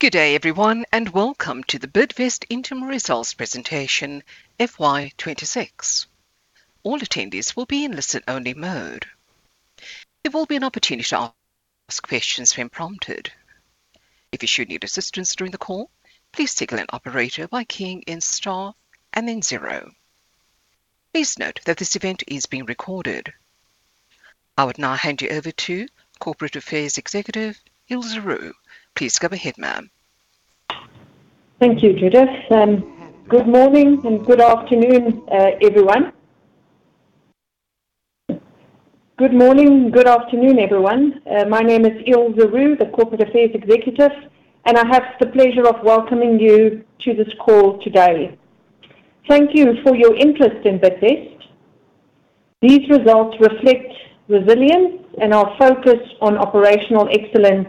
Good day everyone, welcome to the Bidvest Interim Results Presentation FY 2026. All attendees will be in listen-only mode. There will be an opportunity to ask questions when prompted. If you should need assistance during the call, please signal an operator by keying in star and then zero. Please note that this event is being recorded. I would now hand you over to Corporate Affairs Executive, Ilze Roux. Please go ahead, ma'am. Thank you, Judith, good morning and good afternoon, everyone. Good morning, good afternoon, everyone. My name is Ilze Roux, the Corporate Affairs Executive, I have the pleasure of welcoming you to this call today. Thank you for your interest in Bidvest. These results reflect resilience and our focus on operational excellence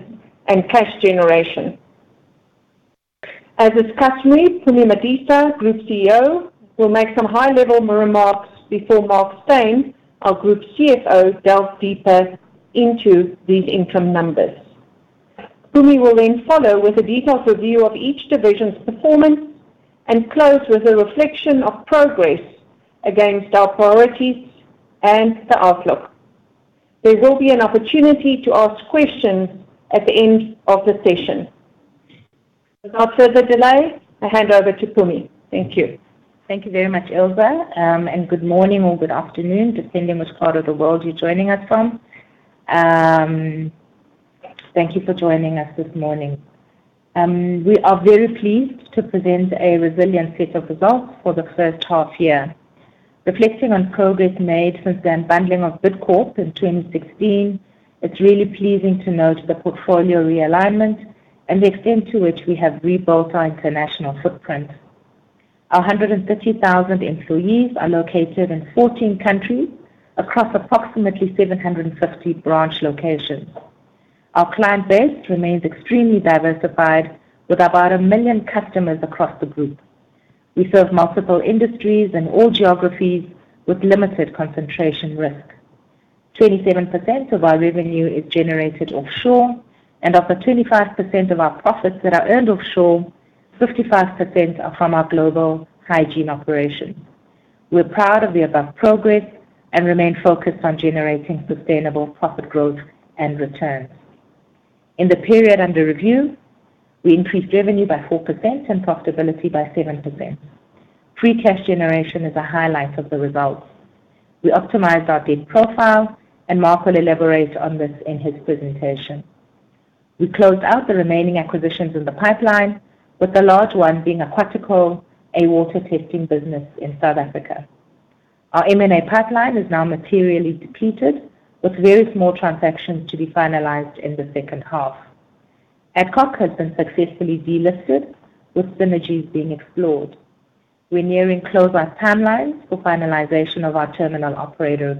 and cash generation. As is customary, Mpumi Madisa, Group CEO, will make some high-level remarks before Mark Steyn, our Group CFO, delves deeper into these income numbers. Mpumi will follow with a detailed review of each division's performance and close with a reflection of progress against our priorities and the outlook. There will be an opportunity to ask questions at the end of the session. Without further delay, I hand over to Mpumi. Thank you. Thank you very much, Ilze, and good morning or good afternoon, depending which part of the world you're joining us from. Thank you for joining us this morning. We are very pleased to present a resilient set of results for the first half year. Reflecting on progress made since the unbundling of Bidcorp in 2016, it's really pleasing to note the portfolio realignment and the extent to which we have rebuilt our international footprint. Our 130,000 employees are located in 14 countries across approximately 750 branch locations. Our client base remains extremely diversified with about 1 million customers across the group. We serve multiple industries and all geographies with limited concentration risk. 27% of our revenue is generated offshore, and of the 25% of our profits that are earned offshore, 55% are from our global hygiene operations. We're proud of the above progress and remain focused on generating sustainable profit growth and returns. In the period under review, we increased revenue by 4% and profitability by 7%. Free cash generation is a highlight of the results. We optimized our debt profile. Mark will elaborate on this in his presentation. We closed out the remaining acquisitions in the pipeline, with the large one being Aquatico, a water testing business in South Africa. Our M&A pipeline is now materially depleted with very small transactions to be finalized in the second half. Adcock has been successfully delisted with synergies being explored. We're nearing close our timelines for finalization of our terminal operator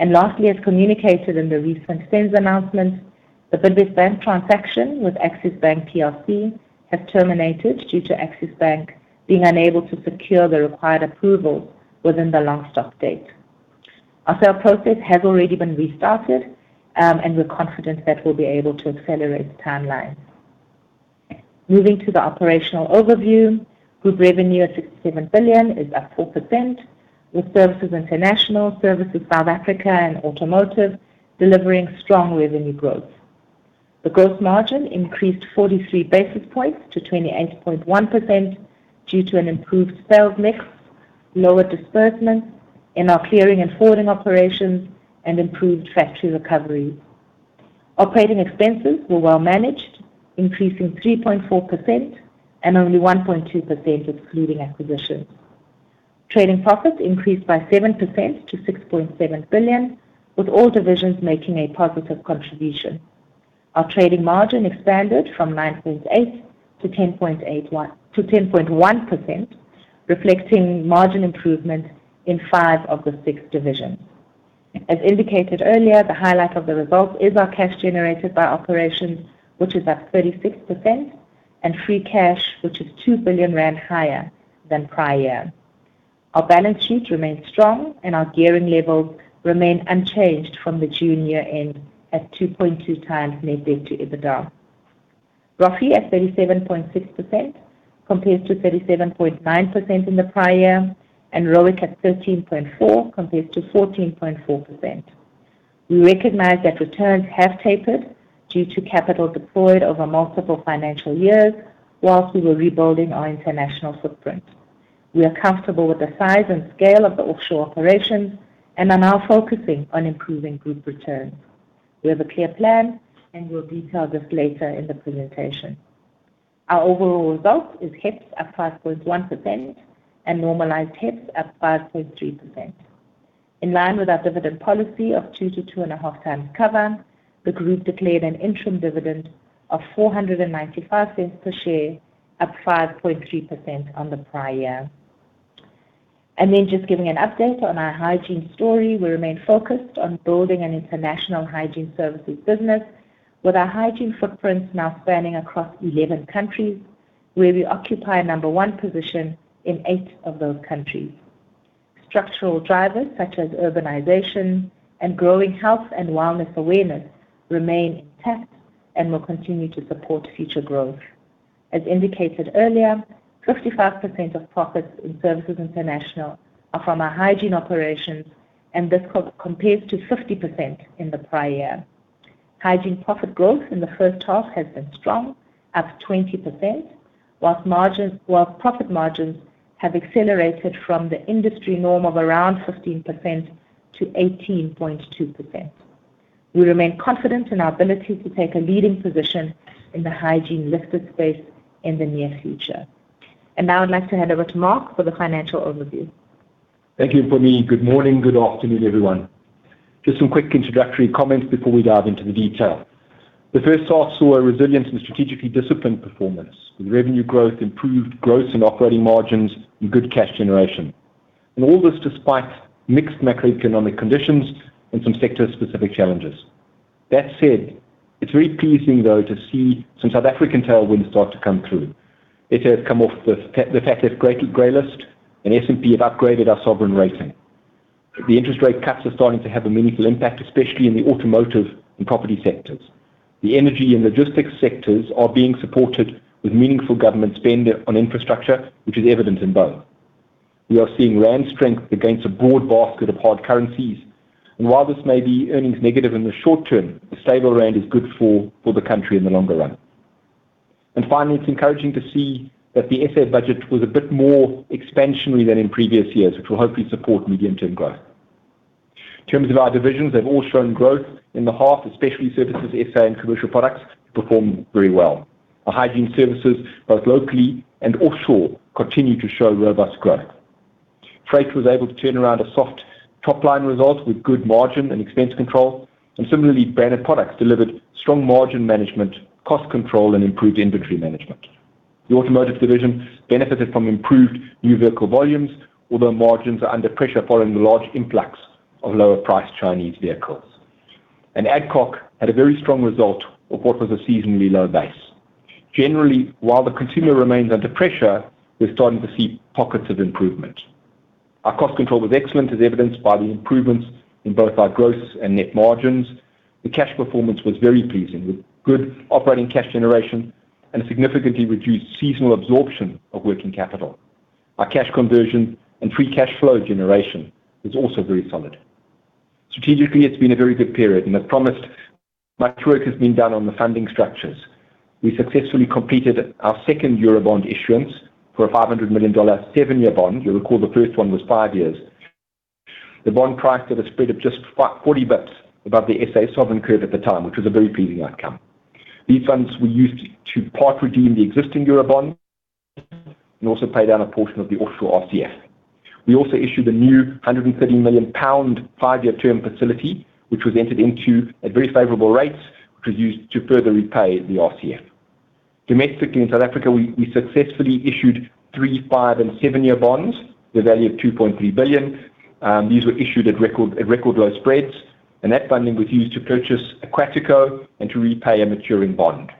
agreement. Lastly, as communicated in the recent SENS announcements, the Bidvest Bank transaction with Access Bank Plc has terminated due to Access Bank being unable to secure the required approval within the long-stop date. Our sale process has already been restarted, and we're confident that we'll be able to accelerate timelines. Moving to the operational overview. Group revenue at 67 billion is up 4%, with Services International, Services South Africa, and Automotive delivering strong revenue growth. The gross margin increased 43 basis points to 28.1% due to an improved sales mix, lower disbursements in our clearing and forwarding operations, and improved factory recovery. Operating expenses were well managed, increasing 3.4% and only 1.2% excluding acquisitions. Trading profits increased by 7% to 6.7 billion, with all divisions making a positive contribution. Our trading margin expanded from 9.8% to 10.1%, reflecting margin improvement in five of the six divisions. As indicated earlier, the highlight of the results is our cash generated by operations, which is up 36%, and free cash, which is 2 billion rand higher than prior. Our balance sheet remains strong, and our gearing levels remain unchanged from the June year-end at 2.2x net debt to EBITDA. ROFE at 37.6% compares to 37.9% in the prior year, and ROIC at 13.4% compared to 14.4%. We recognize that returns have tapered due to capital deployed over multiple financial years whilst we were rebuilding our international footprint. We are comfortable with the size and scale of the offshore operations and are now focusing on improving group returns. We have a clear plan, and we'll detail this later in the presentation. Our overall result is HEPS up 5.1% and normalized HEPS up 5.3%. In line with our dividend policy of 2x to 2.5x cover, the group declared an interim dividend of 4.95 per share, up 5.3% on the prior year. Just giving an update on our hygiene story, we remain focused on building an international hygiene services business with our hygiene footprint now spanning across 11 countries, where we occupy a number one position in eight of those countries. Structural drivers such as urbanization and growing health and wellness awareness remain intact and will continue to support future growth. As indicated earlier, 55% of profits in Services International are from our hygiene operations, and this compares to 50% in the prior year. Hygiene profit growth in the first half has been strong, up 20%, whilst profit margins have accelerated from the industry norm of around 15% to 18.2%. We remain confident in our ability to take a leading position in the hygiene listed space in the near future. Now I'd like to hand over to Mark for the financial overview. Thank you, Mpumi. Good morning, good afternoon, everyone. Just some quick introductory comments before we dive into the detail. The first half saw a resilient and strategically disciplined performance with revenue growth, improved growth and operating margins and good cash generation. All this despite mixed macroeconomic conditions and some sector-specific challenges. That said, it's very pleasing, though, to see some South African tailwinds start to come through. It has come off the fact that grey list and S&P have upgraded our sovereign rating. The interest rate cuts are starting to have a meaningful impact, especially in the automotive and property sectors. The energy and logistics sectors are being supported with meaningful government spend on infrastructure, which is evident in both. While this may be earnings negative in the short term, a stable rand is good for the country in the longer run. Finally, it's encouraging to see that the S.A. budget was a bit more expansionary than in previous years, which will hopefully support medium-term growth. In terms of our divisions, they've all shown growth in the half, especially Services S.A. and Commercial Products performed very well. Our hygiene services, both locally and offshore, continue to show robust growth. Freight was able to turn around a soft top-line result with good margin and expense control. Similarly, Branded Products delivered strong margin management, cost control and improved inventory management. The Automotive division benefited from improved new vehicle volumes, although margins are under pressure following the large influx of lower-priced Chinese vehicles. Adcock had a very strong result of what was a seasonally low base. Generally, while the Consumer remains under pressure, we're starting to see pockets of improvement. Our cost control was excellent, as evidenced by the improvements in both our gross and net margins. The cash performance was very pleasing, with good operating cash generation and a significantly reduced seasonal absorption of working capital. Our cash conversion and free cash flow generation is also very solid. Strategically, it's been a very good period, and as promised, much work has been done on the funding structures. We successfully completed our second Eurobond issuance for a $500 million 7-year bond. You'll recall the first one was five years. The bond priced at a spread of just 40 bits above the SA sovereign curve at the time, which was a very pleasing outcome. These funds were used to part-redeem the existing Eurobond and also pay down a portion of the offshore RCF. We also issued a new 130 million pound 5-year term facility, which was entered into at very favorable rates, which was used to further repay the RCF. Domestically in South Africa, we successfully issued 3-, 5-, and 7-year bonds with a value of 2.3 billion. These were issued at record low spreads. That funding was used to purchase Aquatico and to repay a maturing bond.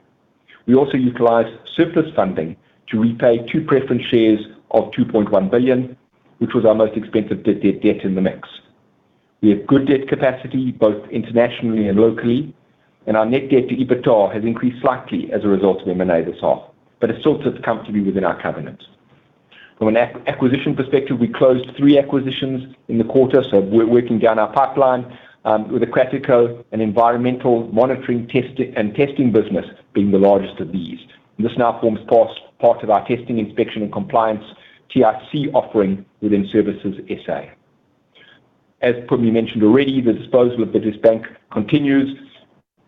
We also utilized surplus funding to repay two preference shares of 2.1 billion, which was our most expensive debt in the mix. We have good debt capacity, both internationally and locally. Our net debt to EBITDA has increased slightly as a result of M&A this half. It still sits comfortably within our covenant. From an acquisition perspective, we closed three acquisitions in the quarter, so we're working down our pipeline, with Aquatico, an environmental monitoring and testing business being the largest of these. This now forms part of our testing, inspection, and compliance TIC offering within Services SA. As Mpumi mentioned already, the disposal of Bidvest Bank continues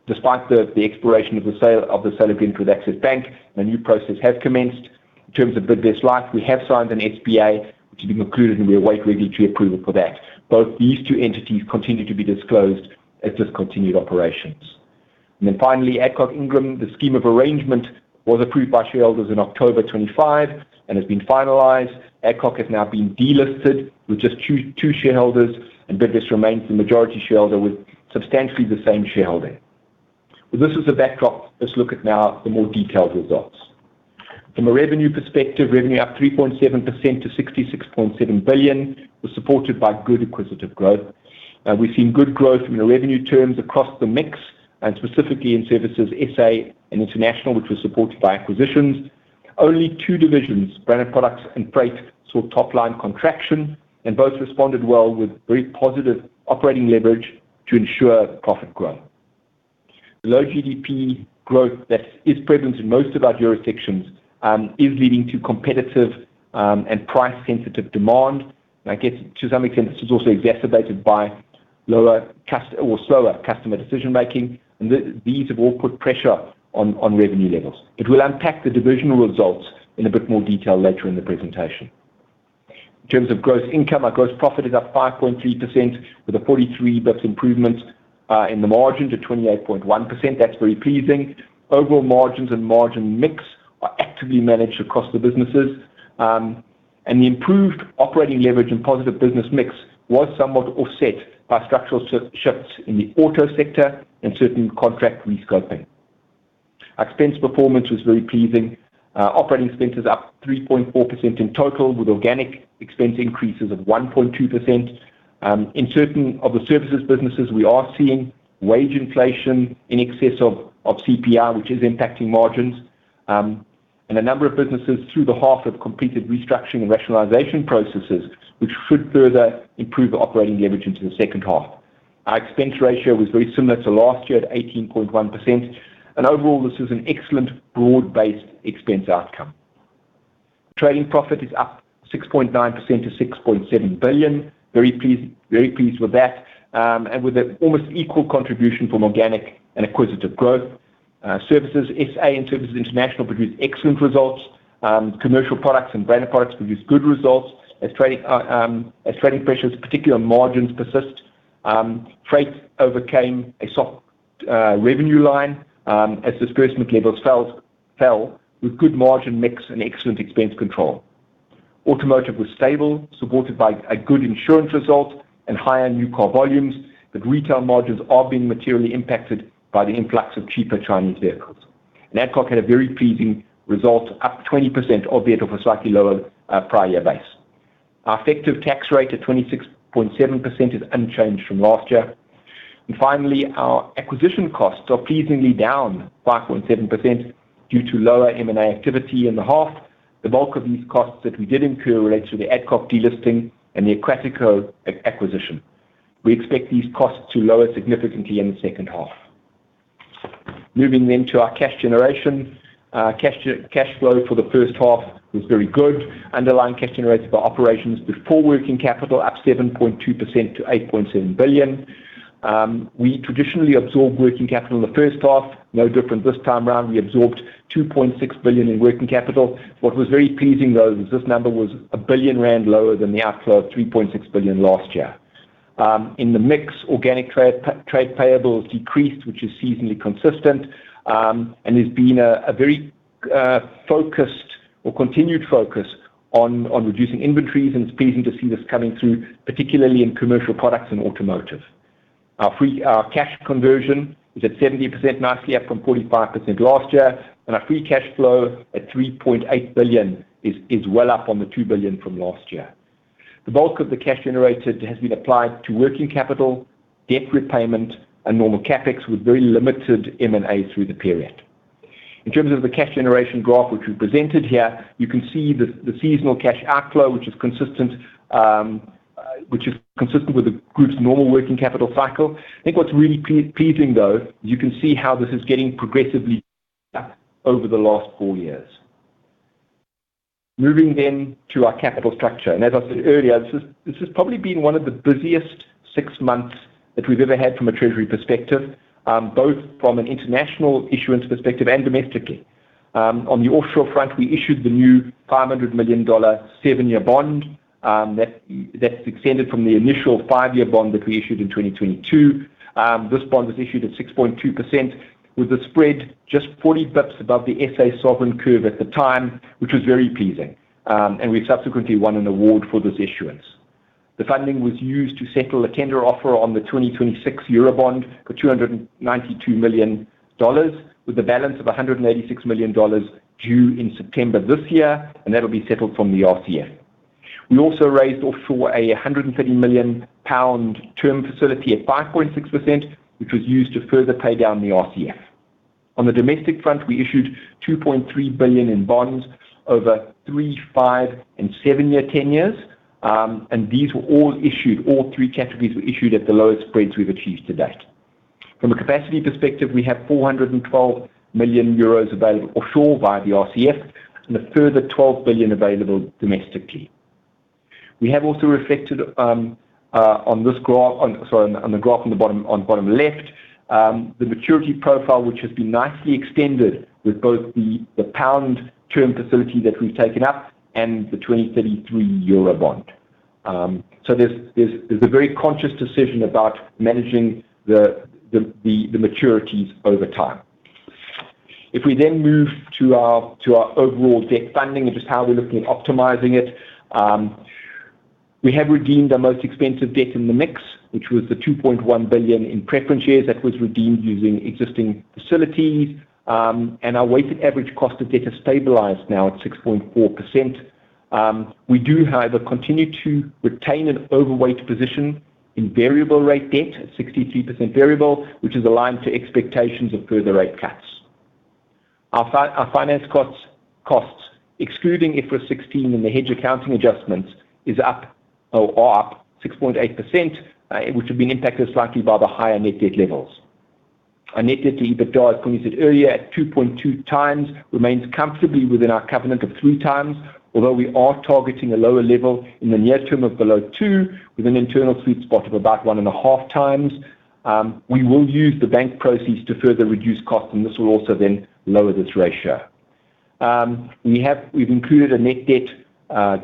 despite the exploration of the sale agreement with Access Bank. The new process has commenced. In terms of Bidvest Life, we have signed an SPA, which has been concluded, and we await regulatory approval for that. Both these two entities continue to be disclosed as discontinued operations. Finally, Adcock Ingram, the scheme of arrangement was approved by shareholders in October 2025 and has been finalized. Adcock has now been delisted with just two shareholders, and Bidvest remains the majority shareholder with substantially the same shareholding. With this as the backdrop, let's look at now the more detailed results. From a revenue perspective, revenue up 3.7% to 66.7 billion was supported by good acquisitive growth. We've seen good growth in the revenue terms across the mix and specifically in Services SA and International, which was supported by acquisitions. Only two divisions, Branded Products and Freight, saw top-line contraction and both responded well with very positive operating leverage to ensure profit growth. Low GDP growth that is prevalent in most of our jurisdictions, is leading to competitive and price-sensitive demand. I guess to some extent, this is also exacerbated by slower customer decision-making, and these have all put pressure on revenue levels. We'll unpack the divisional results in a bit more detail later in the presentation. In terms of gross income, our gross profit is up 5.3% with a 43 basis points improvement in the margin to 28.1%. That's very pleasing. Overall margins and margin mix are actively managed across the businesses. The improved operating leverage and positive business mix was somewhat offset by structural shifts in the Automotive sector and certain contract rescoping. Expense performance was very pleasing. Operating expenses up 3.4% in total, with organic expense increases of 1.2%. In certain of the services businesses, we are seeing wage inflation in excess of CPI, which is impacting margins. A number of businesses through the half have completed restructuring and rationalization processes, which should further improve operating leverage into the second half. Our expense ratio was very similar to last year at 18.1%. Overall, this is an excellent broad-based expense outcome. Trading profit is up 6.9% to 6.7 billion. Very pleased with that. With an almost equal contribution from organic and acquisitive growth. Services, SA and Services International produced excellent results. Commercial Products and Branded Products produced good results as trading pressures, particularly on margins persist. Freight overcame a soft revenue line, as displacement levels fell with good margin mix and excellent expense control. Automotive was stable, supported by a good insurance result and higher new car volumes, but retail margins are being materially impacted by the influx of cheaper Chinese vehicles. Adcock had a very pleasing result, up 20% albeit off a slightly lower prior year base. Our effective tax rate at 26.7% is unchanged from last year. Finally, our acquisition costs are pleasingly down 5.7% due to lower M&A activity in the half. The bulk of these costs that we did incur relate to the Adcock delisting and the Aquatico acquisition. We expect these costs to lower significantly in the second half. Moving to our cash generation. Cash flow for the first half was very good. Underlying cash generated by operations before working capital up 7.2% to 8.7 billion. We traditionally absorb working capital in the first half. No different this time round. We absorbed 2.6 billion in working capital. What was very pleasing, though, is this number was 1 billion rand lower than the outflow of 3.6 billion last year. In the mix, organic trade payables decreased, which is seasonally consistent, and there's been a very focused or continued focus on reducing inventories, and it's pleasing to see this coming through, particularly in Commercial Products and Automotive. Our cash conversion is at 70% nicely up from 45% last year. Our free cash flow at 3.8 billion is well up on the 2 billion from last year. The bulk of the cash generated has been applied to working capital, debt repayment, and normal CapEx, with very limited M&A through the period. In terms of the cash generation graph, which we've presented here, you can see the seasonal cash outflow, which is consistent, which is consistent with The Bidvest Group's normal working capital cycle. I think what's really pleasing though, you can see how this is getting progressively over the last four years. Moving to our capital structure. As I said earlier, this has probably been one of the busiest six months that we've ever had from a treasury perspective, both from an international issuance perspective and domestically. On the offshore front, we issued the new $500 million 7-year bond that's extended from the initial 5-year bond that we issued in 2022. This bond was issued at 6.2% with a spread just 40 bips above the SA sovereign curve at the time, which was very pleasing. We've subsequently won an award for this issuance. The funding was used to settle a tender offer on the 2026 Eurobond for $292 million, with a balance of $186 million due in September this year, and that'll be settled from the RCF. We also raised offshore a 130 million pound term facility at 5.6%, which was used to further pay down the RCF. On the domestic front, we issued 2.3 billion in bonds over three, five, and seven-year tenors. All three categories were issued at the lowest spreads we've achieved to date. From a capacity perspective, we have 412 million euros available offshore via the RCF and a further 12 billion available domestically. We have also reflected on this graph. On the graph on the bottom left, the maturity profile, which has been nicely extended with both the pound term facility that we've taken up and the 2033 Eurobond. There's a very conscious decision about managing the maturities over time. We then move to our overall debt funding and just how we're looking at optimizing it, we have redeemed our most expensive debt in the mix, which was the 2.1 billion in preference shares that was redeemed using existing facilities. Our weighted average cost of debt has stabilized now at 6.4%. We do, however, continue to retain an overweight position in variable rate debt at 63% variable, which is aligned to expectations of further rate cuts. Our finance costs, excluding IFRS 16 and the hedge accounting adjustments, are up 6.8%, which have been impacted slightly by the higher net debt levels. Our net debt to EBITDA, as Mpumi said earlier, at 2.2x remains comfortably within our covenant of 3x, although we are targeting a lower level in the near term of below 2, with an internal sweet spot of about 1.5x. We will use the bank proceeds to further reduce costs. This will also then lower this ratio. We have. We've included a net debt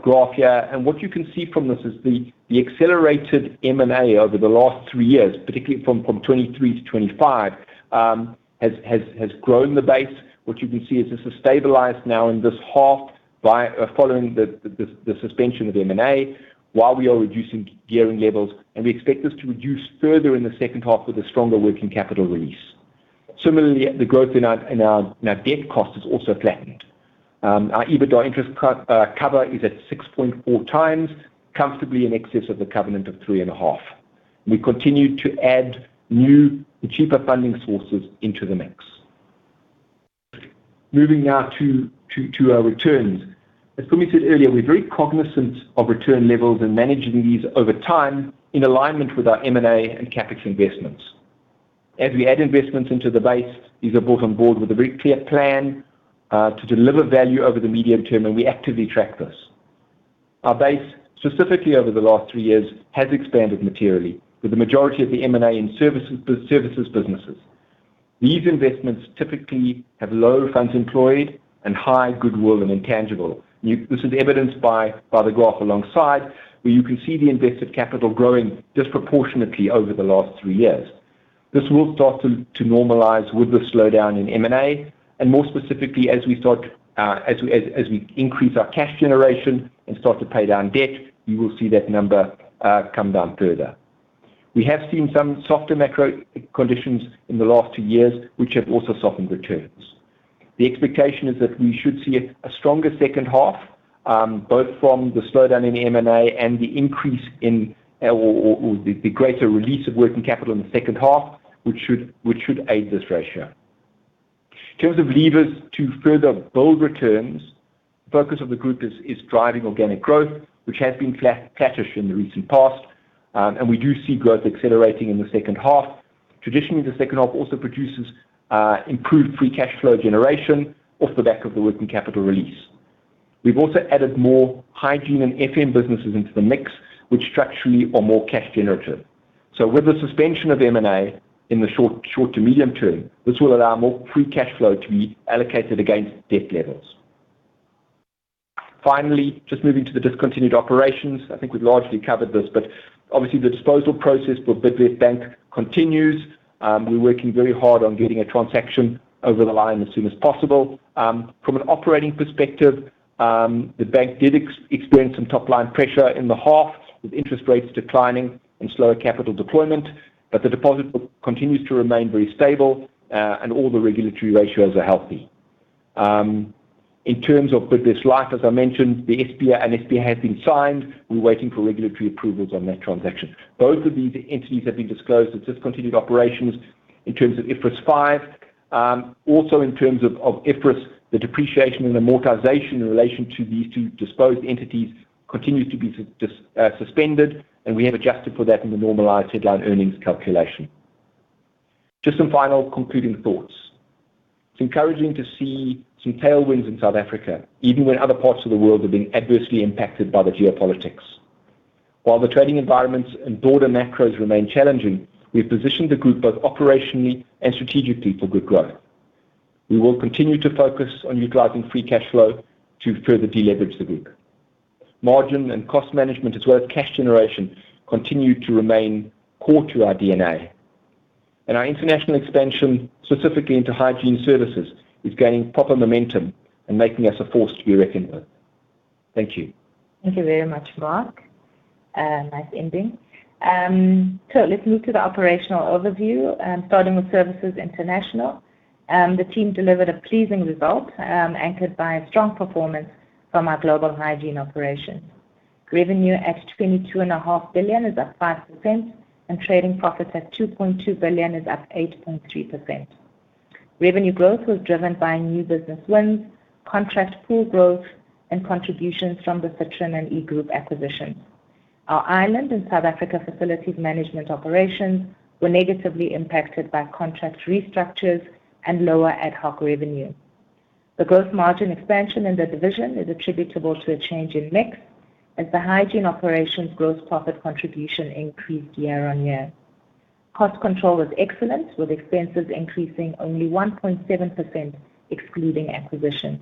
graph here, and what you can see from this is the accelerated M&A over the last three years, particularly from 2023 to 2025, has grown the base. What you can see is this has stabilized now in this half. By following the suspension of M&A while we are reducing gearing levels, and we expect this to reduce further in the second half with a stronger working capital release. Similarly, the growth in our debt cost has also flattened. Our EBITDA interest cover is at 6.4x, comfortably in excess of the covenant of 3.5. We continue to add new cheaper funding sources into the mix. Moving now to our returns. As Mpumi said earlier, we're very cognizant of return levels and managing these over time in alignment with our M&A and CapEx investments. We add investments into the base, these are brought on board with a very clear plan to deliver value over the medium term, and we actively track this. Our base, specifically over the last three years, has expanded materially with the majority of the M&A in services businesses. These investments typically have low funds employed and high goodwill and intangible. This is evidenced by the graph alongside, where you can see the invested capital growing disproportionately over the last three years. This will start to normalize with the slowdown in M&A, and more specifically, as we increase our cash generation and start to pay down debt, you will see that number come down further. We have seen some softer macro conditions in the last two years, which have also softened returns. The expectation is that we should see a stronger second half, both from the slowdown in the M&A and the increase in the greater release of working capital in the second half, which should aid this ratio. In terms of levers to further build returns, focus of the group is driving organic growth, which has been flattish in the recent past, and we do see growth accelerating in the second half. Traditionally, the second half also produces improved free cash flow generation off the back of the working capital release. We've also added more hygiene and FM businesses into the mix, which structurally are more cash generative. With the suspension of M&A in the short to medium term, this will allow more free cash flow to be allocated against debt levels. Finally, just moving to the discontinued operations. I think we've largely covered this, but obviously the disposal process for Bidvest Bank continues. We're working very hard on getting a transaction over the line as soon as possible. From an operating perspective, the bank did experience some top-line pressure in the half, with interest rates declining and slower capital deployment, but the deposit book continues to remain very stable and all the regulatory ratios are healthy. In terms of Bidvest Life, as I mentioned, the SPA, an SPA has been signed. We're waiting for regulatory approvals on that transaction. Both of these entities have been disclosed as discontinued operations in terms of IFRS 5. Also in terms of IFRS, the depreciation and amortization in relation to these two disposed entities continue to be suspended, and we have adjusted for that in the normalized headline earnings calculation. Just some final concluding thoughts. It's encouraging to see some tailwinds in South Africa, even when other parts of the world are being adversely impacted by the geopolitics. While the trading environments and broader macros remain challenging, we've positioned the group both operationally and strategically for good growth. We will continue to focus on utilizing free cash flow to further deleverage the group. Margin and cost management, as well as cash generation, continue to remain core to our DNA. Our international expansion, specifically into hygiene services, is gaining proper momentum and making us a force to be reckoned with. Thank you. Thank you very much, Mark. Nice ending. Let's move to the operational overview, starting with Services International. The team delivered a pleasing result, anchored by a strong performance from our global hygiene operations. Revenue at 22.5 billion is up 5%, and trading profits at 2.2 billion is up 8.3%. Revenue growth was driven by new business wins, contract pool growth, and contributions from the Citron Hygiene and E-Group acquisitions. Our Ireland and South Africa facilities management operations were negatively impacted by contract restructures and lower ad hoc revenue. The growth margin expansion in the division is attributable to a change in mix as the hygiene operations gross profit contribution increased year-on-year. Cost control was excellent, with expenses increasing only 1.7% excluding acquisitions.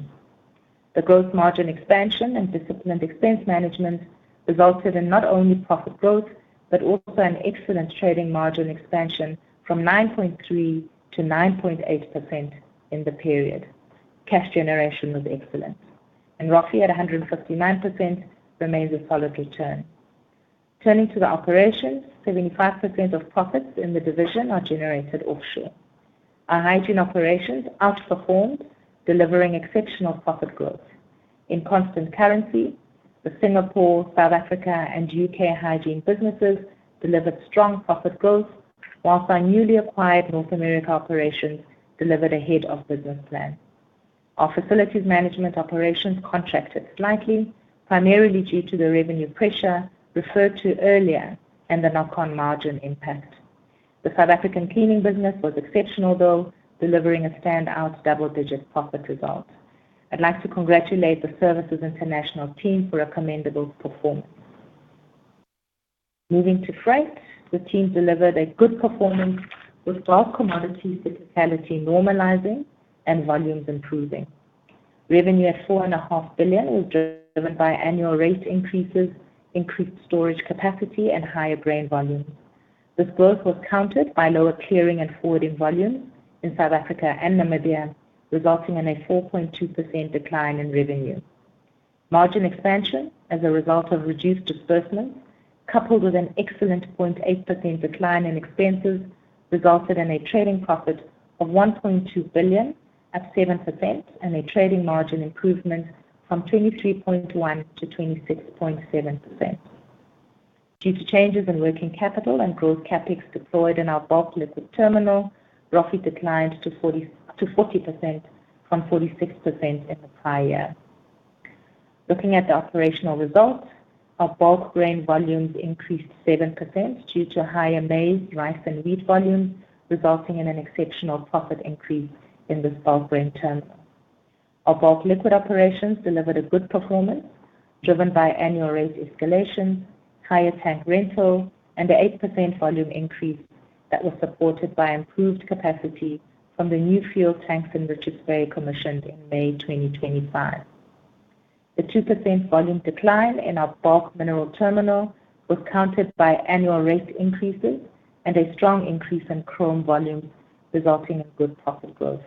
The growth margin expansion and disciplined expense management resulted in not only profit growth but also an excellent trading margin expansion from 9.3% to 9.8% in the period. Cash generation was excellent. ROFE at 159% remains a solid return. Turning to the operations, 75% of profits in the division are generated offshore. Our hygiene operations outperformed, delivering exceptional profit growth. In constant currency, the Singapore, South Africa, and U.K. hygiene businesses delivered strong profit growth, whilst our newly acquired North America operations delivered ahead of business plan. Our facilities management operations contracted slightly, primarily due to the revenue pressure referred to earlier and the knock-on margin impact. The South African cleaning business was exceptional though, delivering a standout double-digit profit result. I'd like to congratulate the Services International team for a commendable performance. Moving to Freight, the team delivered a good performance with bulk commodity physicality normalizing and volumes improving. Revenue at four and a half billion was driven by annual rate increases, increased storage capacity, and higher grain volumes. This growth was counted by lower clearing and forwarding volumes in South Africa and Namibia, resulting in a 4.2% decline in revenue. Margin expansion as a result of reduced disbursements, coupled with a 0.8% decline in expenses, resulted in a trading profit of 1.2 billion at 7% and a trading margin improvement from 23.1%-26.7%. Due to changes in working capital and growth CapEx deployed in our bulk liquid terminal, ROFE declined to 40% from 46% in the prior year. Looking at the operational results, our bulk grain volumes increased 7% due to higher maize, rice, and wheat volumes, resulting in an exceptional profit increase in this bulk grain terminal. Our bulk liquid operations delivered a good performance driven by annual rate escalation, higher tank rental, and the 8% volume increase that was supported by improved capacity from the new fuel tanks in Richards Bay commissioned in May 2025. The 2% volume decline in our bulk mineral terminal was countered by annual rate increases and a strong increase in chrome volumes, resulting in good profit growth.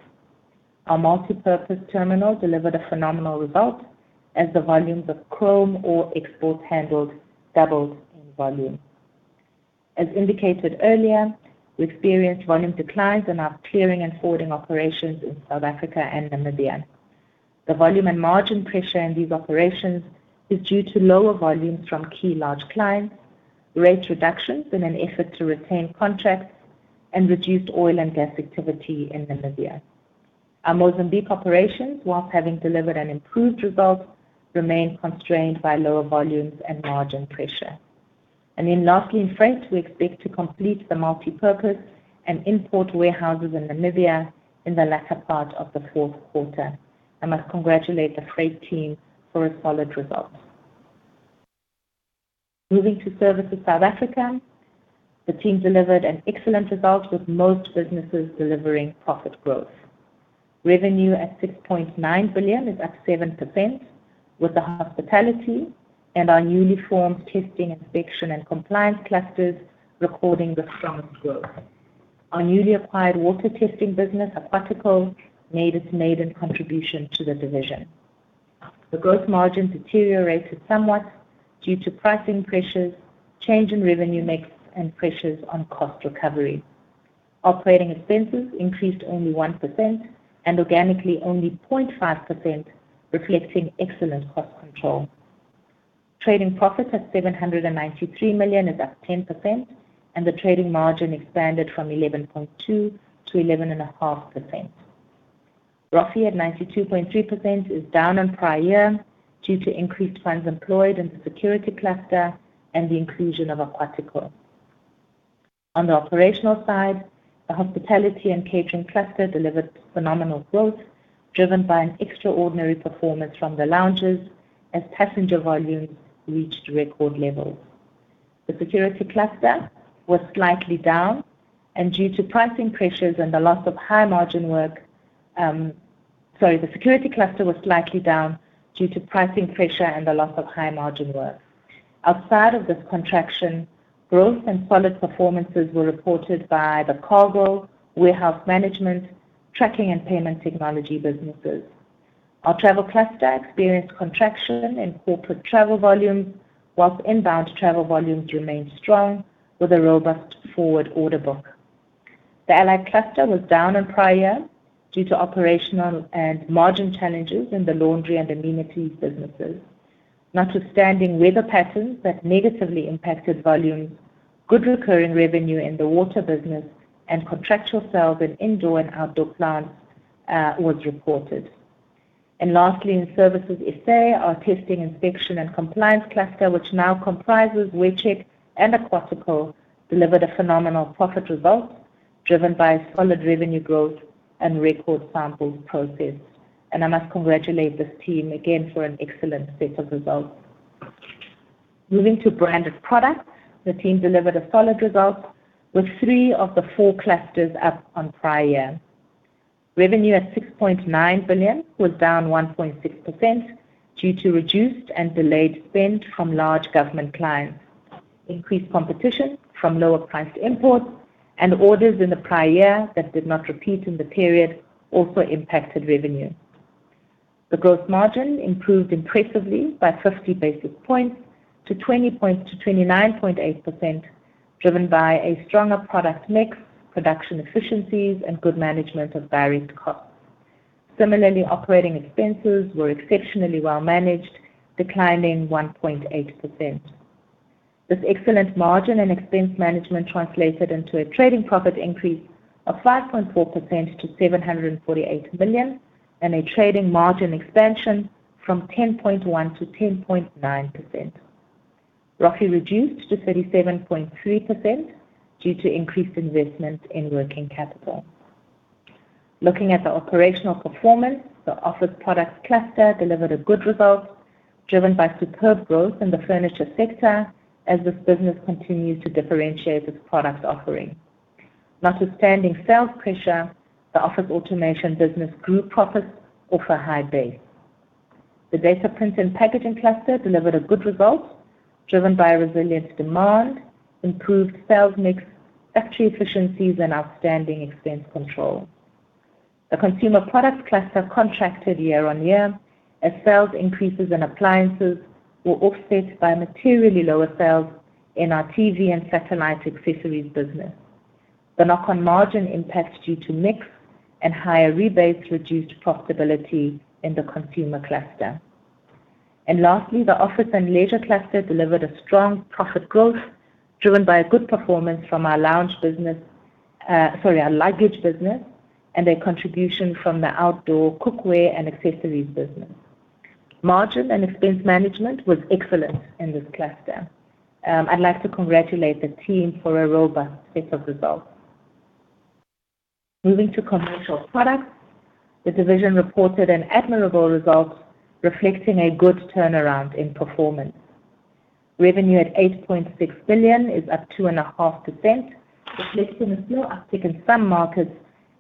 Our multipurpose terminal delivered a phenomenal result as the volumes of chrome ore exports handled doubled in volume. As indicated earlier, we experienced volume declines in our clearing and forwarding operations in South Africa and Namibia. The volume and margin pressure in these operations is due to lower volumes from key large clients, rate reductions in an effort to retain contracts, and reduced oil and gas activity in Namibia. Our Mozambique operations, whilst having delivered an improved result, remain constrained by lower volumes and margin pressure. Lastly, in Freight, we expect to complete the multipurpose and import warehouses in Namibia in the latter part of the fourth quarter. I must congratulate the Freight team for a solid result. Moving to Services South Africa, the team delivered an excellent result with most businesses delivering profit growth. Revenue at 6.9 billion is up 7%, with the hospitality and our newly formed Testing, Inspection, and Compliance clusters recording the strongest growth. Our newly acquired water testing business, Aquatico, made its maiden contribution to the division. The gross margin deteriorated somewhat due to pricing pressures, change in revenue mix, and pressures on cost recovery. Operating expenses increased only 1% and organically only 0.5%, reflecting excellent cost control. Trading profit at 793 million is up 10%, and the trading margin expanded from 11.2% to 11.5%. ROFE at 92.3% is down on prior year due to increased funds employed in the security cluster and the inclusion of Aquatico. On the operational side, the hospitality and catering cluster delivered phenomenal growth driven by an extraordinary performance from the lounges as passenger volumes reached record levels. The security cluster was slightly down due to pricing pressure and the loss of high margin work. Outside of this contraction, growth and solid performances were reported by the cargo, warehouse management, tracking, and payment technology businesses. Our travel cluster experienced contraction in corporate travel volumes, whilst inbound travel volumes remained strong with a robust forward order book. The Allied cluster was down on prior year due to operational and margin challenges in the laundry and amenities businesses. Notwithstanding weather patterns that negatively impacted volumes, good recurring revenue in the water business and contractual sales in indoor and outdoor plants was reported. Lastly, in Services SA, our testing, inspection, and compliance cluster, which now comprises WearCheck and Aquatico, delivered a phenomenal profit result driven by solid revenue growth and record samples processed. I must congratulate this team again for an excellent set of results. Moving to Branded Products, the team delivered a solid result with three of the four clusters up on prior year. Revenue at 6.9 billion was down 1.6% due to reduced and delayed spend from large government clients. Increased competition from lower-priced imports and orders in the prior year that did not repeat in the period also impacted revenue. The gross margin improved impressively by 50 basis points to 29.8%, driven by a stronger product mix, production efficiencies, and good management of varied costs. Similarly, operating expenses were exceptionally well managed, declining 1.8%. This excellent margin and expense management translated into a trading profit increase of 5.4% to 748 million, and a trading margin expansion from 10.1% to 10.9%. ROFE reduced to 37.3% due to increased investment in working capital. Looking at the operational performance, the Office Products cluster delivered a good result driven by superb growth in the furniture sector as this business continues to differentiate its product offering. Notwithstanding sales pressure, the office automation business grew profits off a high base. The Data Print and Packaging cluster delivered a good result, driven by resilient demand, improved sales mix, factory efficiencies, and outstanding expense control. The Consumer Products cluster contracted year-on-year as sales increases in appliances were offset by materially lower sales in our TV and satellite accessories business. The knock-on margin impacts due to mix and higher rebates reduced profitability in the Consumer cluster. Lastly, the Office and Leisure cluster delivered a strong profit growth driven by a good performance from our luggage business and a contribution from the outdoor cookware and accessories business. Margin and expense management was excellent in this cluster. I'd like to congratulate the team for a robust set of results. Moving to Commercial Products, the division reported an admirable result reflecting a good turnaround in performance. Revenue at 8.6 billion is up 2.5%, reflecting a slow uptick in some markets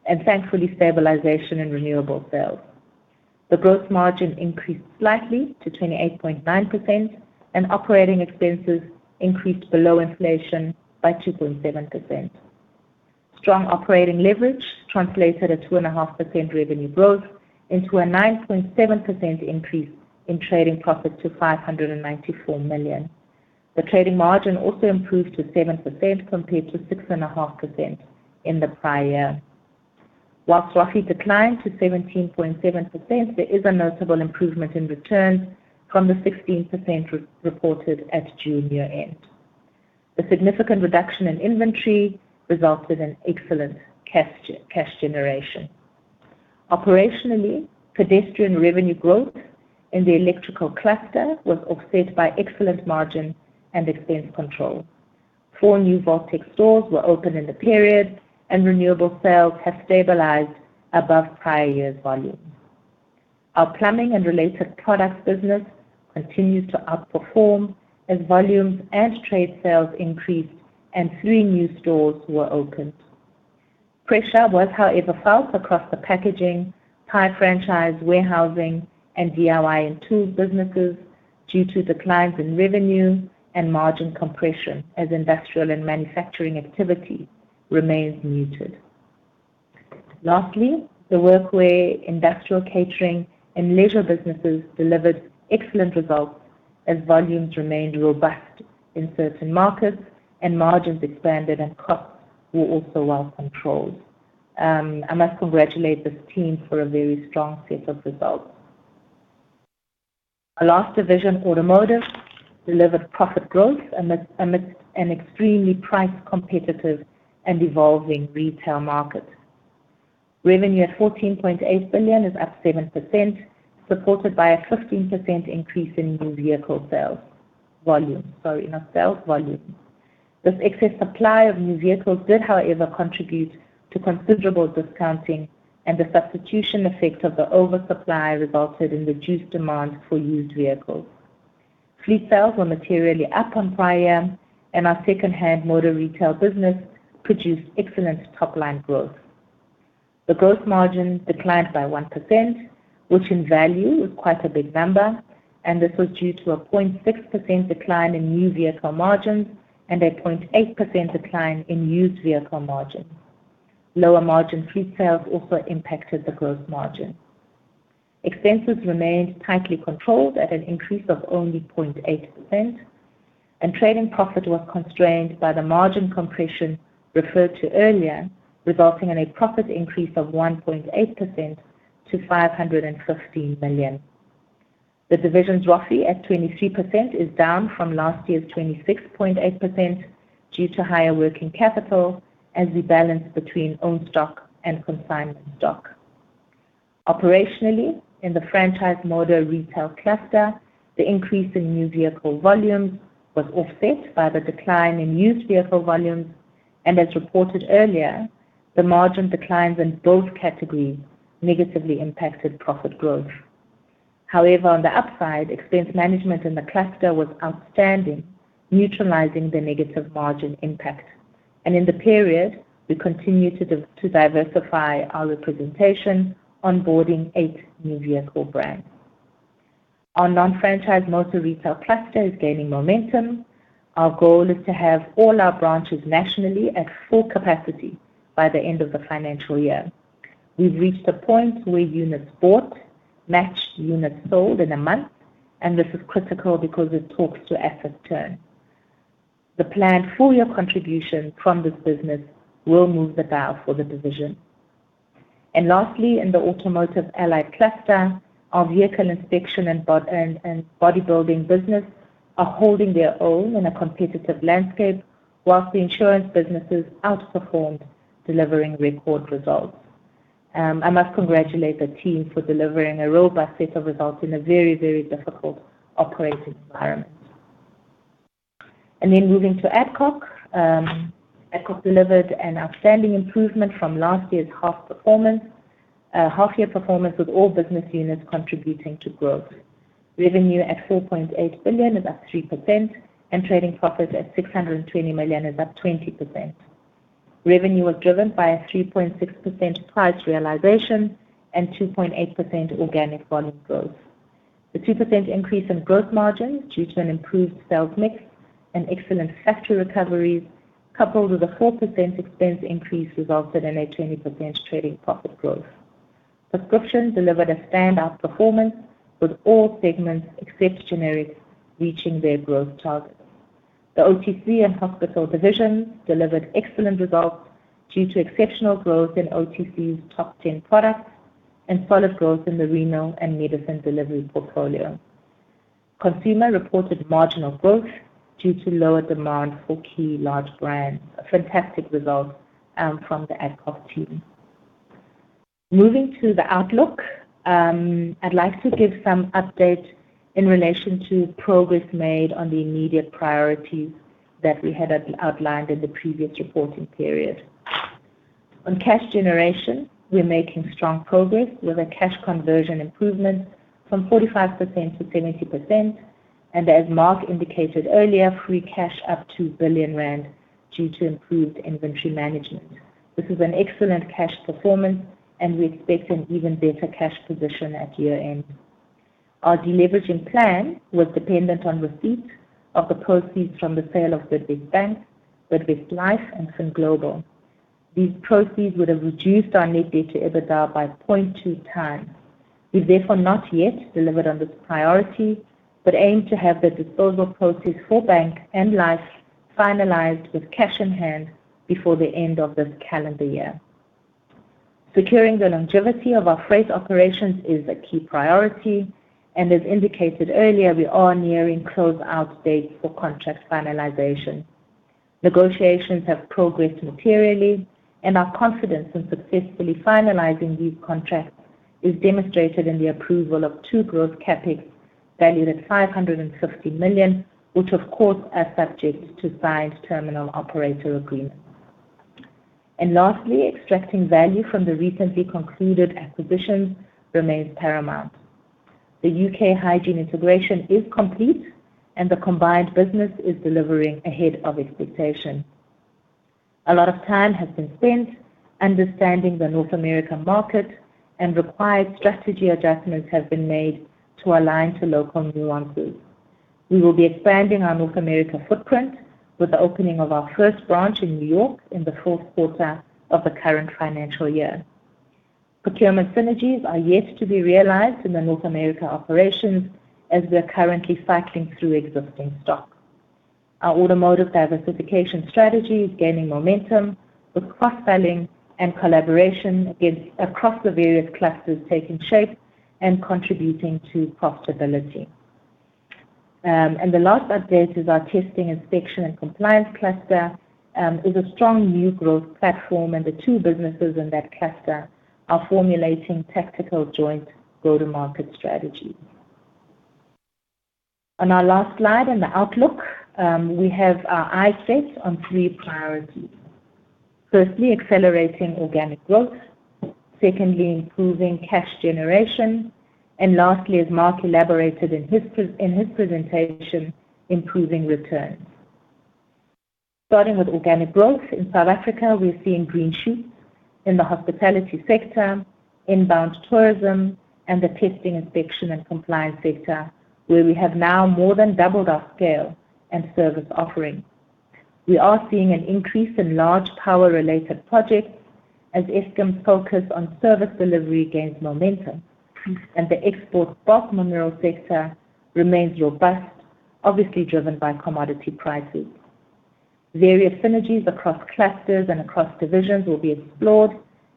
and thankfully stabilization in renewable sales. The gross margin increased slightly to 28.9% and operating expenses increased below inflation by 2.7%. Strong operating leverage translated a 2.5% revenue growth into a 9.7% increase in trading profit to 594 million. The trading margin also improved to 7% compared to 6.5% in the prior year. Whilst ROFE declined to 17.7%, there is a notable improvement in returns from the 16% re-reported at June year-end. The significant reduction in inventory resulted in excellent cash generation. Operationally, pedestrian revenue growth in the electrical cluster was offset by excellent margin and expense control. Four new Voltex stores were opened in the period and renewable sales have stabilized above prior year's volume. Our plumbing and related products business continues to outperform as volumes and trade sales increased and three new stores were opened. Pressure was, however, felt across the packaging, tire franchise, warehousing, and DIY and tools businesses due to declines in revenue and margin compression as industrial and manufacturing activity remains muted. Lastly, the workwear, industrial catering, and leisure businesses delivered excellent results as volumes remained robust in certain markets and margins expanded and costs were also well controlled. I must congratulate this team for a very strong set of results. Our last division, Automotive, delivered profit growth amidst an extremely price competitive and evolving retail market. Revenue at 14.8 billion is up 7%, supported by a 15% increase in new vehicle sales volume, sorry, in our sales volume. This excess supply of new vehicles did, however, contribute to considerable discounting and the substitution effect of the oversupply resulted in reduced demand for used vehicles. Fleet sales were materially up on prior year, and our second-hand motor retail business produced excellent top-line growth. The gross margin declined by 1%, which in value is quite a big number, and this was due to a 0.6% decline in new vehicle margins and a 0.8% decline in used vehicle margins. Lower margin fleet sales also impacted the gross margin. Expenses remained tightly controlled at an increase of only 0.8%. Trading profit was constrained by the margin compression referred to earlier, resulting in a profit increase of 1.8% to 515 million. The division's ROFE at 23% is down from last year's 26.8% due to higher working capital as we balance between own stock and consignment stock. Operationally, in the franchise motor retail cluster, the increase in new vehicle volumes was offset by the decline in used vehicle volumes. As reported earlier, the margin declines in both categories negatively impacted profit growth. However, on the upside, expense management in the cluster was outstanding, neutralizing the negative margin impact. In the period, we continued to diversify our representation, onboarding eight new vehicle brands. Our non-franchise motor retail cluster is gaining momentum. Our goal is to have all our branches nationally at full capacity by the end of the financial year. We've reached a point where units bought match units sold in a month, and this is critical because it talks to asset turn. The planned full-year contribution from this business will move the dial for the division. Lastly, in the automotive allied cluster, our vehicle inspection and bodybuilding business are holding their own in a competitive landscape, while the insurance businesses outperformed delivering record results. I must congratulate the team for delivering a robust set of results in a very difficult operating environment. Moving to Adcock. Adcock delivered an outstanding improvement from last year's half performance, half year performance with all business units contributing to growth. Revenue at 4.8 billion is up 3% and trading profit at 620 million is up 20%. Revenue was driven by a 3.6% price realization and 2.8% organic volume growth. The 2% increase in growth margin due to an improved sales mix and excellent factory recoveries, coupled with a 4% expense increase, resulted in a 20% trading profit growth. Subscription delivered a standout performance with all segments except Generics reaching their growth targets. The OTC and Hospital divisions delivered excellent results due to exceptional growth in OTCs top 10 products and solid growth in the renal and medicine delivery portfolio. Consumer reported marginal growth due to lower demand for key large brands. A fantastic result from the Adcock team. Moving to the outlook, I'd like to give some update in relation to progress made on the immediate priorities that we had outlined in the previous reporting period. On cash generation, we're making strong progress with a cash conversion improvement from 45% to 70%, and as Mark indicated earlier, free cash up 2 billion rand due to improved inventory management. This is an excellent cash performance, and we expect an even better cash position at year-end. Our deleveraging plan was dependent on receipt of the proceeds from the sale of Bidvest Bank, Bidvest Life, and FinGlobal. These proceeds would have reduced our net debt to EBITDA by 0.2x. We've therefore not yet delivered on this priority, but aim to have the disposal process for Bank and Life finalized with cash in hand before the end of this calendar year. Securing the longevity of our freight operations is a key priority. As indicated earlier, we are nearing closeout dates for contract finalization. Negotiations have progressed materially. Our confidence in successfully finalizing these contracts is demonstrated in the approval of two growth CapEx valued at 550 million, which of course are subject to signed terminal operator agreement. Lastly, extracting value from the recently concluded acquisitions remains paramount. The U.K. hygiene integration is complete and the combined business is delivering ahead of expectation. A lot of time has been spent understanding the North America market and required strategy adjustments have been made to align to local nuances. We will be expanding our North America footprint with the opening of our first branch in New York in the fourth quarter of the current financial year. Procurement synergies are yet to be realized in the North America operations as we are currently cycling through existing stock. Our automotive diversification strategy is gaining momentum with cross-selling and collaboration across the various clusters taking shape and contributing to profitability. The last update is our testing, inspection, and compliance cluster is a strong new growth platform, and the two businesses in that cluster are formulating tactical joint go-to-market strategies. On our last slide on the outlook, we have our eyes set on three priorities. Firstly, accelerating organic growth. Secondly, improving cash generation. Lastly, as Mark elaborated in his presentation, improving returns. Starting with organic growth in South Africa, we are seeing green shoots in the hospitality sector, inbound tourism, and the testing, inspection, and compliance sector, where we have now more than doubled our scale and service offering. We are seeing an increase in large power-related projects as Eskom's focus on service delivery gains momentum. The export bulk mineral sector remains robust, obviously driven by commodity prices. Various synergies across clusters and across divisions will be explored,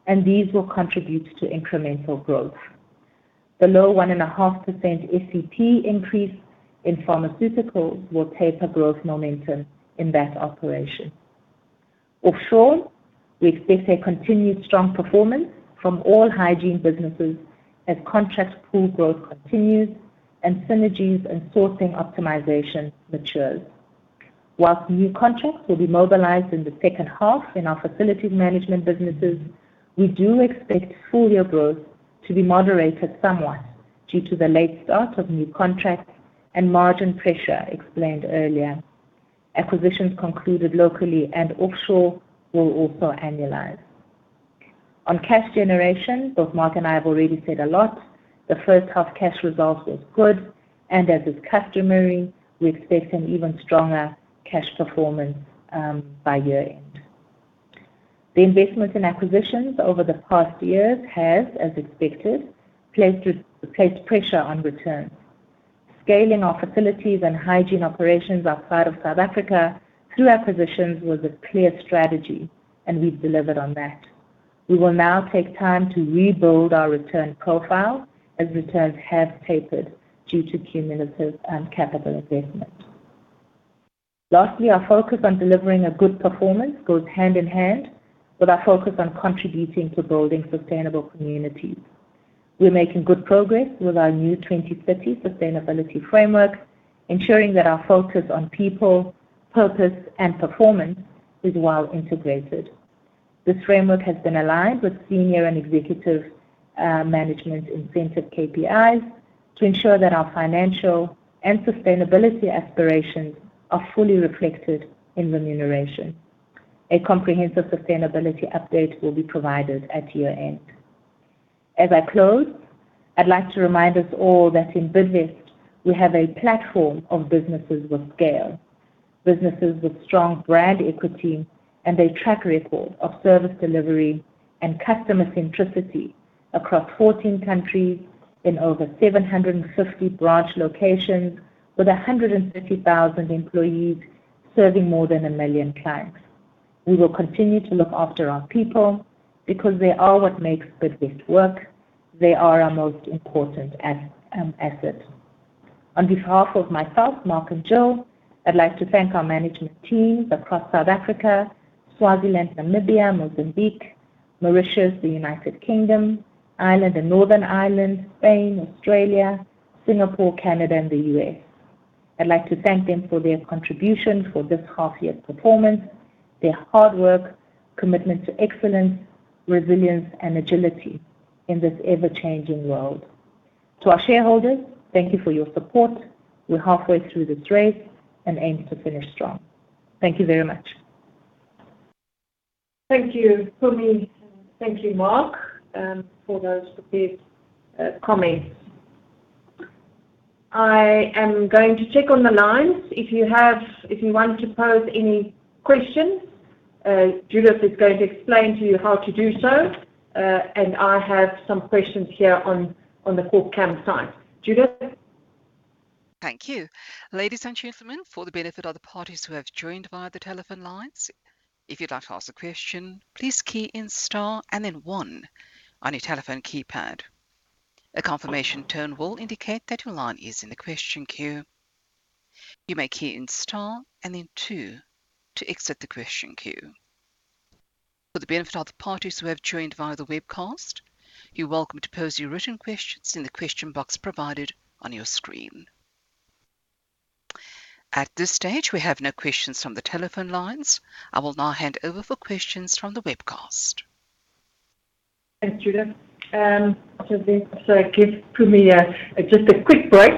and these will contribute to incremental growth. The low 1.5% SEP increase in pharmaceuticals will taper growth momentum in that operation. Offshore, we expect a continued strong performance from all hygiene businesses as contract pool growth continues and synergies and sourcing optimization matures. Whilst new contracts will be mobilized in the second half in our facilities management businesses, we do expect full year growth to be moderated somewhat due to the late start of new contracts and margin pressure explained earlier. Acquisitions concluded locally and offshore will also annualize. On cash generation, both Mark and I have already said a lot. The first half cash result was good and as is customary, we expect an even stronger cash performance by year-end. The investments in acquisitions over the past years has, as expected, placed pressure on returns. Scaling our facilities and hygiene operations outside of South Africa through acquisitions was a clear strategy, and we've delivered on that. We will now take time to rebuild our return profile as returns have tapered due to cumulative capital investment. Lastly, our focus on delivering a good performance goes hand in hand with our focus on contributing to building sustainable communities. We're making good progress with our new 2030 sustainability framework, ensuring that our focus on people, purpose, and performance is well integrated. This framework has been aligned with senior and executive management incentive KPIs to ensure that our financial and sustainability aspirations are fully reflected in remuneration. A comprehensive sustainability update will be provided at year-end. As I close, I'd like to remind us all that in Bidvest, we have a platform of businesses with scale, businesses with strong brand equity and a track record of service delivery and customer centricity across 14 countries in over 750 branch locations with 150,000 employees serving more than 1 million clients. We will continue to look after our people because they are what makes Bidvest work. They are our most important asset. On behalf of myself, Mark, and Judith, I'd like to thank our management teams across South Africa, Swaziland, Namibia, Mozambique, Mauritius, the United Kingdom, Ireland, and Northern Ireland, Spain, Australia, Singapore, Canada, and the U.S. I'd like to thank them for their contributions for this half year's performance, their hard work, commitment to excellence, resilience, and agility in this ever-changing world. To our shareholders, thank you for your support. We're halfway through this race and aim to finish strong. Thank you very much. Thank you, Mpumi. Thank you, Mark Steyn, for those prepared comments. I am going to check on the lines. If you want to pose any questions, Judith is going to explain to you how to do so. I have some questions here on the call cam side. Judith. Thank you. Ladies and gentlemen, for the benefit of the parties who have joined via the telephone lines, if you'd like to ask a question, please key in star and then one on your telephone keypad. A confirmation tone will indicate that your line is in the question queue. You may key in star and then two to exit the question queue. For the benefit of the parties who have joined via the webcast, you're welcome to pose your written questions in the question box provided on your screen. At this stage, we have no questions from the telephone lines. I will now hand over for questions from the webcast. Thanks, Judith. give Mpumi a, just a quick break.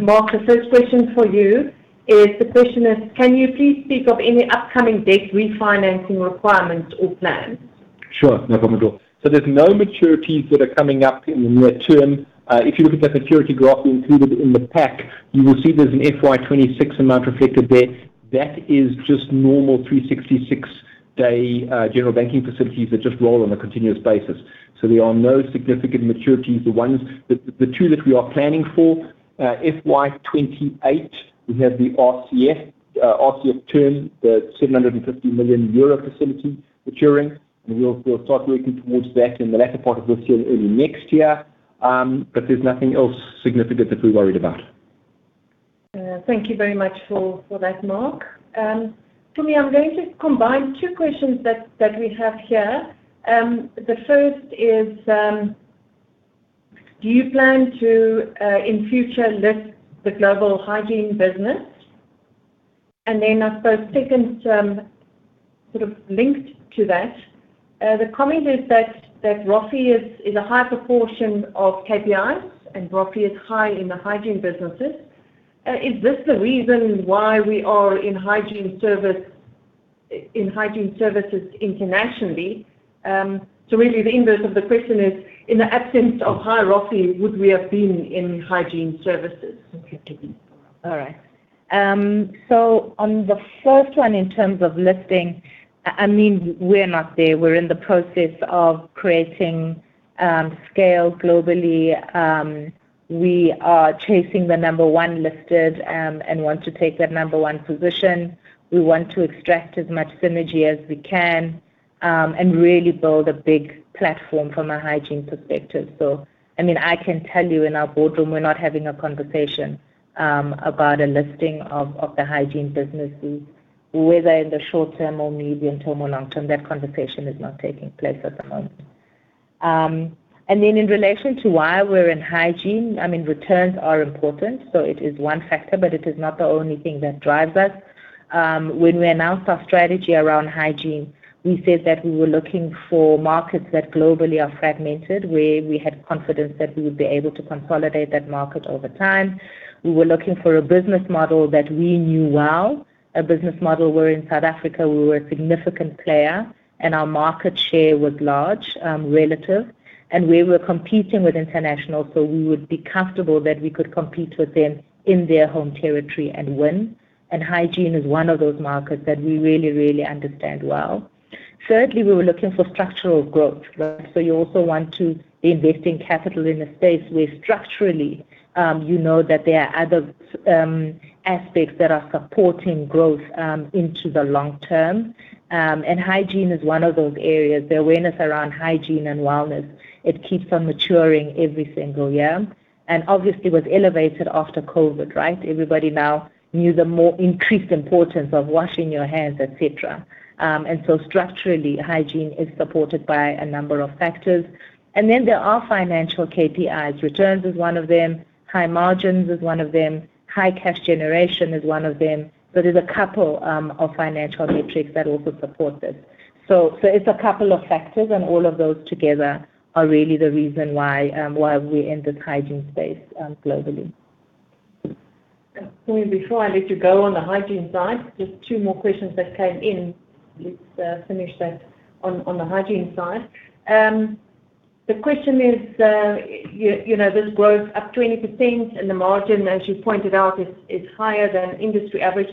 Mark Steyn, the first question for you is... The question is: Can you please speak of any upcoming debt refinancing requirements or plans? Sure. No problem at all. There's no maturities that are coming up in the near term. If you look at that maturity graph we included in the pack, you will see there's an FY 2026 amount reflected there. That is just normal 366 day general banking facilities that just roll on a continuous basis. There are no significant maturities. The two that we are planning for, FY 2028, we have the RCF term, the 750 million euro facility maturing, and we'll start working towards that in the latter part of this year, early next year. There's nothing else significant that we're worried about. Thank you very much for that, Mark. Mpumi, I'm going to combine two questions that we have here. The first is: Do you plan to in future list the global hygiene business? I suppose second, sort of linked to that, the comment is that ROFE is a high proportion of KPIs and ROFE is high in the hygiene businesses. Is this the reason why we are in hygiene services internationally? Really the inverse of the question is, in the absence of high ROFE, would we have been in hygiene services? All right. On the first one, in terms of listing, I mean, we're not there. We're in the process of creating scale globally. We are chasing the number one listed and want to take that number one position. We want to extract as much synergy as we can and really build a big platform from a hygiene perspective. I mean, I can tell you in our boardroom, we're not having a conversation about a listing of the hygiene businesses, whether in the short term or medium term or long term. That conversation is not taking place at the moment. In relation to why we're in hygiene, I mean, returns are important, so it is one factor, but it is not the only thing that drives us. When we announced our strategy around hygiene, we said that we were looking for markets that globally are fragmented, where we had confidence that we would be able to consolidate that market over time. We were looking for a business model that we knew well, a business model where in South Africa we were a significant player and our market share was large, relative, and we were competing with internationals, so we would be comfortable that we could compete with them in their home territory and win. Hygiene is one of those markets that we really, really understand well. Thirdly, we were looking for structural growth, right? You also want to be investing capital in a space where structurally, you know that there are other aspects that are supporting growth into the long term. Hygiene is one of those areas. The awareness around hygiene and wellness, it keeps on maturing every single year, and obviously was elevated after COVID, right? Everybody now knew the more increased importance of washing your hands, et cetera. Structurally, hygiene is supported by a number of factors. Then there are financial KPIs. Returns is one of them, high margins is one of them, high cash generation is one of them. It's a couple of financial metrics that also support this. It's a couple of factors, and all of those together are really the reason why we're in this hygiene space, globally. Before I let you go on the hygiene side, just two more questions that came in. Let's finish that on the hygiene side. The question is, you know, this growth up 20% and the margin, as you pointed out, is higher than industry average.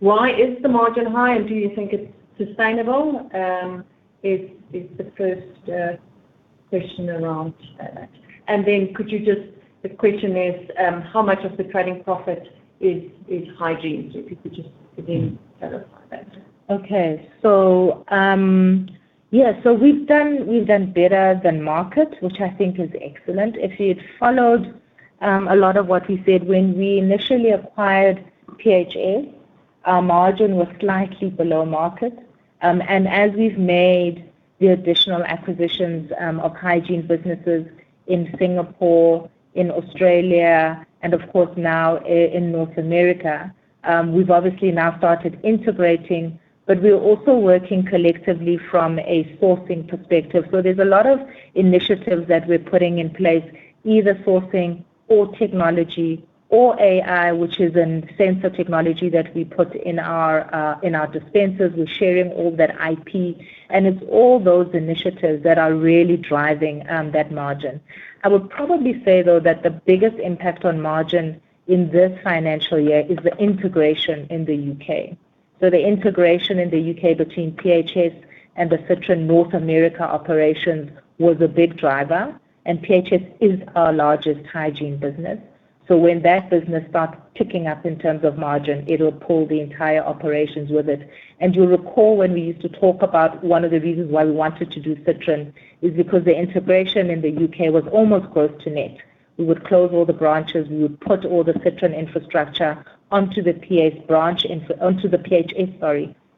Why is the margin high, and do you think it's sustainable? Is the first question around that. The question is, how much of the trading profit is hygiene? If you could just maybe clarify that. Okay. We've done better than market, which I think is excellent. If you'd followed a lot of what we said when we initially acquired PHS Group, our margin was slightly below market. As we've made the additional acquisitions of hygiene businesses in Singapore, in Australia, and of course now in North America, we've obviously now started integrating, but we're also working collectively from a sourcing perspective. There's a lot of initiatives that we're putting in place, either sourcing or technology or AI, which is in sensor technology that we put in our dispensers. We're sharing all that IP, and it's all those initiatives that are really driving that margin. I would probably say, though, that the biggest impact on margin in this financial year is the integration in the U.K. The integration in the U.K. between PHS and the Citron North America operations was a big driver. PHS is our largest hygiene business. When that business starts ticking up in terms of margin, it'll pull the entire operations with it. You'll recall when we used to talk about one of the reasons why we wanted to do Citron is because the integration in the U.K. was almost close to net. We would close all the branches, we would put all the Citron infrastructure onto the PHS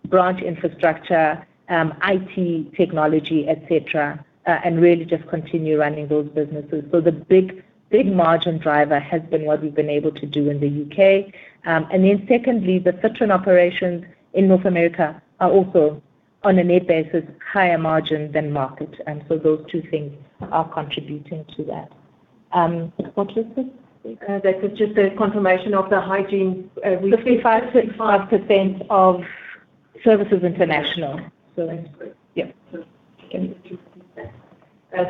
branch infrastructure, IT, technology, et cetera, and really just continue running those businesses. The big margin driver has been what we've been able to do in the U.K. Secondly, the Citron operations in North America are also on a net basis, higher margin than market. Those two things are contributing to that. what was the That was just a confirmation of the hygiene review. 55.5% of Services International. That's great. Yeah. Thank you.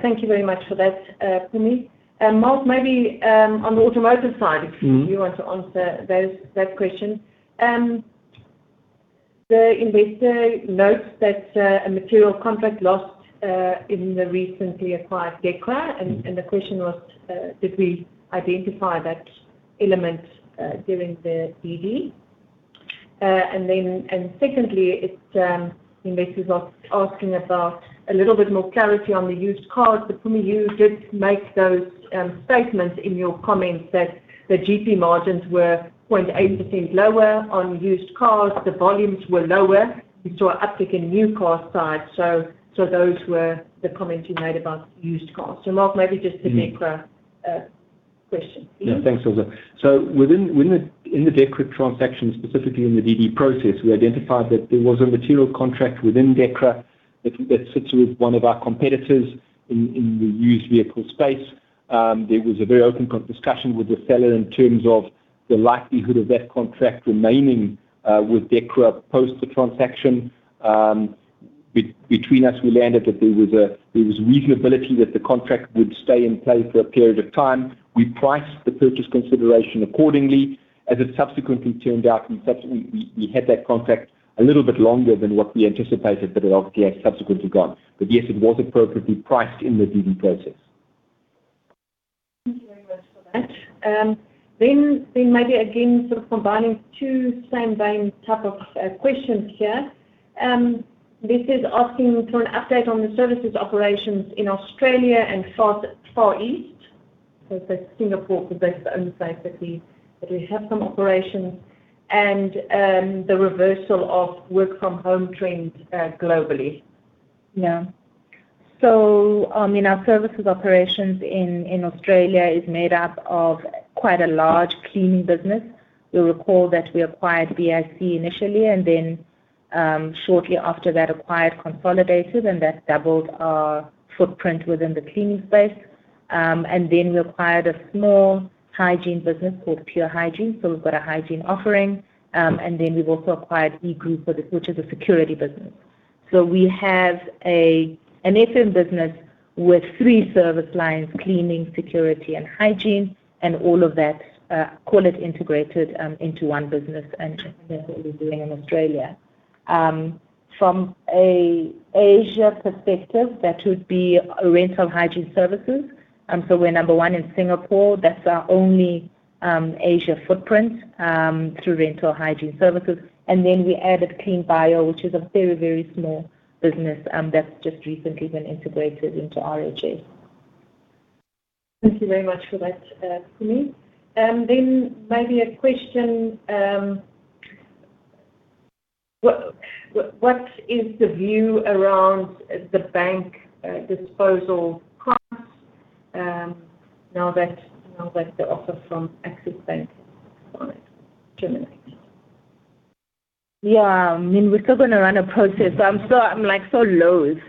Thank you very much for that, Mpumi Madisa. Mark Steyn, maybe, on the automotive side- Mm-hmm. If you want to answer that question. The investor notes that a material contract lost in the recently acquired Dekra. Mm-hmm. The question was, did we identify that element during the DD? Secondly, it's, investors asking about a little bit more clarity on the used cars. Mpumi, you did make those statements in your comments that the GP margins were 0.8% lower on used cars. The volumes were lower. We saw uptick in new car side. Those were the comments you made about used cars. Mark, maybe just the Dekra question, please. Yeah. Thanks, Ilze. Within the Dekra transaction, specifically in the DD process, we identified that there was a material contract within Dekra that sits with one of our competitors in the used vehicle space. There was a very open discussion with the seller in terms of the likelihood of that contract remaining with Dekra post the transaction. Between us, we landed that there was reasonability that the contract would stay in play for a period of time. We priced the purchase consideration accordingly. As it subsequently turned out, we had that contract a little bit longer than what we anticipated, but it obviously has subsequently gone. Yes, it was appropriately priced in the DD process. Thank you very much for that. Maybe again, sort of combining two same vein type of questions here. This is asking for an update on the services operations in Australia and Far East. So it says Singapore, because that's the only place that we have some operations and the reversal of work from home trends globally. In our services operations in Australia is made up of quite a large cleaning business. You'll recall that we acquired BIC initially and then, shortly after that acquired Consolidated, and that doubled our footprint within the cleaning space. We acquired a small hygiene business called Puregiene, so we've got a hygiene offering. We've also acquired E-Group, which is a security business. We have an FM business with three service lines, cleaning, security, and hygiene, and all of that, call it integrated, into one business. That's what we're doing in Australia. From a Asia perspective, that would be Rentokil Hygiene Services. We're number one in Singapore. That's our only Asia footprint through Rentokil Hygiene Services. Then we added Cleanbio, which is a very, very small business, that's just recently been integrated into RHA. Thank you very much for that, Mpumi. Maybe a question, what is the view around the bank, disposal price, now that the offer from Access Bank has expired? Yeah. I mean, we're still gonna run a process. I'm so, I'm like so loathed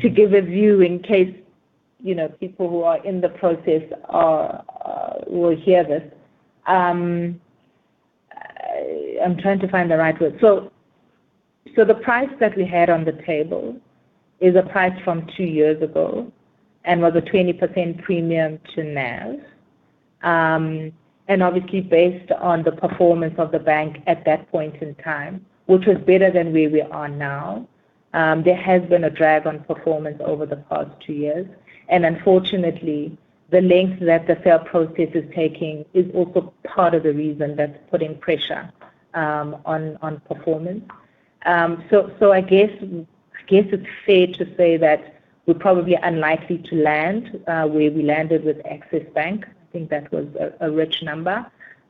to give a view in case, you know, people who are in the process are, will hear this. I'm trying to find the right words. The price that we had on the table is a price from two years ago and was a 20% premium to NAV, and obviously based on the performance of the bank at that point in time, which was better than where we are now. There has been a drag on performance over the past two years, and unfortunately, the length that the sale process is taking is also part of the reason that's putting pressure on performance. I guess it's fair to say that we're probably unlikely to land where we landed with Access Bank. I think that was a rich number.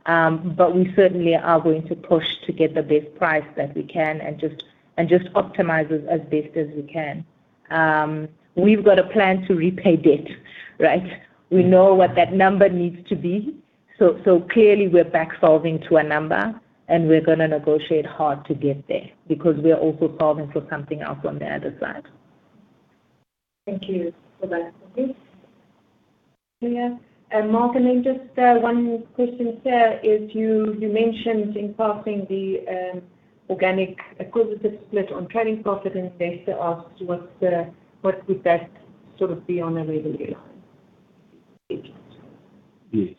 We certainly are going to push to get the best price that we can and just optimize it as best as we can. We've got a plan to repay debt, right? We know what that number needs to be. Clearly we're back solving to a number, and we're gonna negotiate hard to get there because we are also solving for something else on the other side. Thank you. No problem. Mark, and then just one question here. If you mentioned in passing the organic acquisitive split on trading profit, an investor asked what would that sort of be on a revenue line? Yes.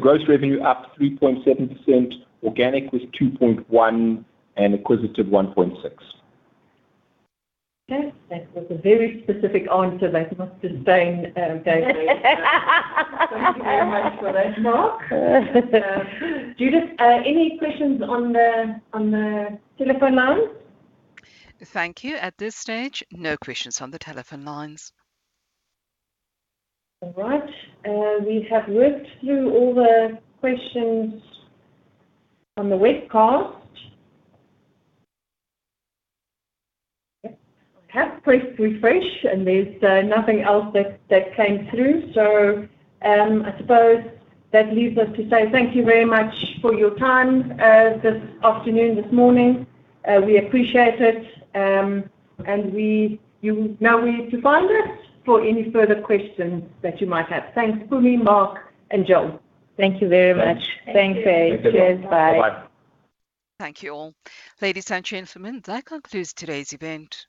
gross revenue up 3.7%. Organic was 2.1%, and acquisitive 1.6%. That was a very specific answer that must have stayed, daily. Thank you very much for that, Mark. Ilze Roux, any questions on the telephone lines? Thank you. At this stage, no questions on the telephone lines. All right. We have worked through all the questions on the webcast. Yeah. I have pressed refresh and there's nothing else that came through. I suppose that leaves us to say thank you very much for your time this afternoon, this morning. We appreciate it. We, you know where to find us for any further questions that you might have. Thanks, Mpumi, Mark, and Judith. Thank you very much. Thank you. Thanks, Fae. Thank you. Cheers. Bye. Bye-bye. Thank you all. Ladies and gentlemen, that concludes today's event.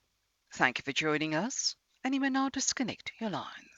Thank you for joining us, and you may now disconnect your line.